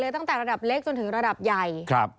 ตั้งแต่ระดับเล็กจนถึงระดับใหญ่